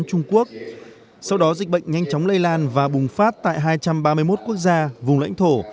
sau đó dịch bệnh nhanh chóng lây lan và bùng phát tại hai trăm ba mươi một quốc gia vùng lãnh thổ